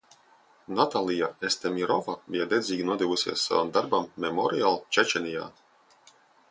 Natalia Estemirova bija dedzīgi nodevusies savam darbam Memorial Čečenijā.